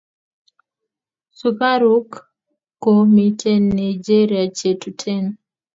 Sukaruk ko miten nigeria che tutten